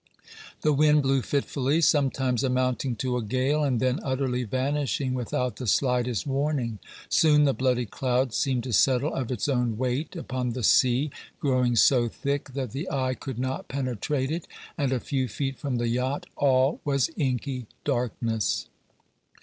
The wind blew fitfully, sometimes amounting to a gale and then utterly vanishing without the slightest warning. Soon the bloody cloud seemed to settle of its own weight upon the sea, growing so thick that the eye could not penetrate it, and a few feet from the yacht all was inky darkness.